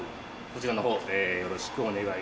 こちらの方よろしくお願いします。